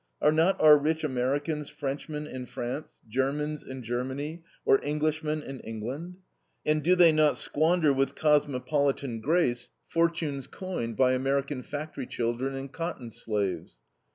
Are not our rich Americans Frenchmen in France, Germans in Germany, or Englishmen in England? And do they not squander with cosmopolitan grace fortunes coined by American factory children and cotton slaves?